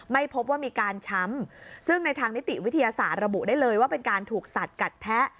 ไม่พบว่ามีการช้ำซึ่งในทางนิติวิทยาศาสตร์ระบุได้เลยว่าเป็นการถูกสัดกัดแทะ